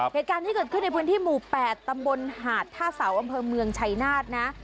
เหตุการณ์ที่เกิดขึ้นในพื้นที่หมู่๘ตำบลหาดท่าเสาอำเภอเมืองชัยนาธนะ